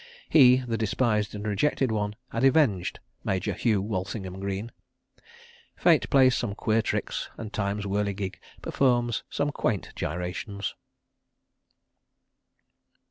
... He—the despised and rejected one—had avenged Major Hugh Walsingham Greene. Fate plays some queer tricks and Time's whirligig performs some quaint gyrations!